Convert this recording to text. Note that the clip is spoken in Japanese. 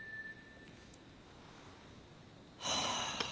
はあ。